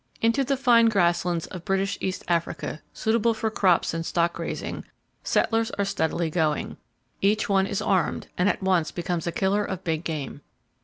Into the fine grass lands of British East Africa, suitable for crops and stock grazing, settlers are steadily going. Each one is armed, and at once becomes a killer of big game.